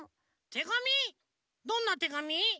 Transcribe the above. どんなてがみ？